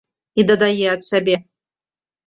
І дадае ад сябе.